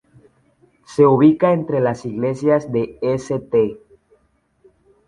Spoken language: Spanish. Se ubica entre las iglesias de St.